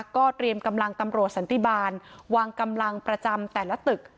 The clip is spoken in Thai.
ก็เตรียมกำลังตำรวจสันติบาลวางกำลังประจำแต่ละตึก